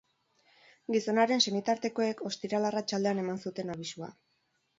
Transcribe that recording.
Gizonaren senitartekoek ostiral arratsaldean eman zuten abisua.